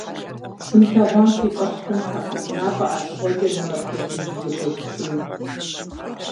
Сымылъэгъуам си фӀэщ хъунтэкъым напӀэ ӀэтыгъуэкӀэ нэм апхуэдизу зихъуэжыфыну.